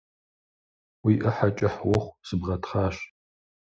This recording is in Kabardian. Уи Ӏыхьэр кӀыхь ухъу, сыбгъэтхъащ!